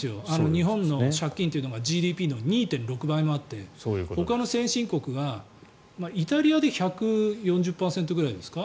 日本の借金がＧＤＰの２．６倍もあってほかの先進国がイタリアで１４０％ぐらいですか。